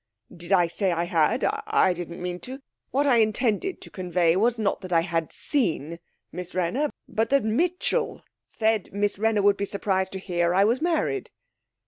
'Did I say I had? I didn't mean to. What I intended to convey was, not that I had seen Miss Wrenner, but that Mitchell said Miss Wrenner would be surprised to hear I was married.'